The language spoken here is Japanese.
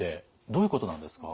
どういうことなんですか？